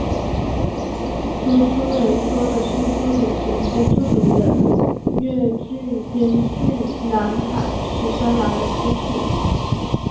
说书人说的是多年前一个著名的粤剧编剧南海十三郎的故事。